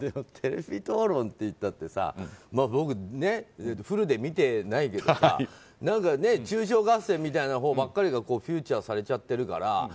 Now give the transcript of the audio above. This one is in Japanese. テレビ討論っていったってさ僕、フルで見てないけどさ何か中傷合戦みたいなものばっかりがフィーチャーされちゃってるから。